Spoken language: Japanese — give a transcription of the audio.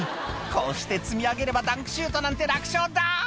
「こうして積み上げればダンクシュートなんて楽勝だ」